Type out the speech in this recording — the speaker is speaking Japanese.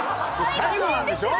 「最後なんでしょ？」